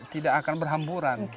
tidak akan berhamburan